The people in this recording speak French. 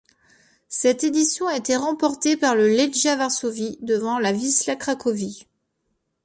Cette édition a été remportée par le Legia Varsovie, devant le Wisła Cracovie.